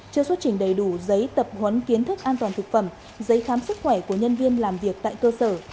chưa xuất trình đầy đủ giấy tập huấn kiến thức an toàn thực phẩm giấy khám sức khỏe của nhân viên làm việc tại cơ sở